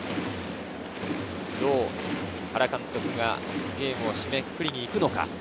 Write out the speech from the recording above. どう原監督がゲームを締めくくりに行くのか。